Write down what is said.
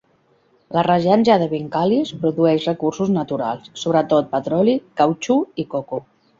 La regència de Bengkalis produeix recursos naturals, sobretot petroli, cautxú i coco.